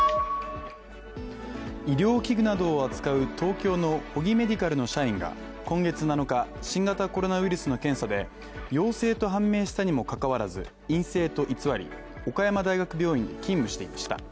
医療器具などを扱う東京のホギメディカルの社員が今月７日、新型コロナウイルスの検査で陽性と判明したにもかかわらず陰性と偽り、岡山大学病院で勤務していました。